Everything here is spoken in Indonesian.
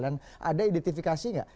ada identifikasi nggak